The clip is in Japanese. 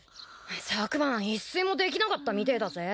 昨晩一睡もできなかったみてえだぜ。